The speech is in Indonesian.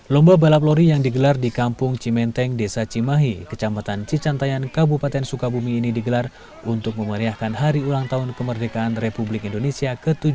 lomba balap lori yang digelar di kampung cimenteng desa cimahi kecamatan cicantayan kabupaten sukabumi ini digelar untuk memeriahkan hari ulang tahun kemerdekaan republik indonesia ke tujuh puluh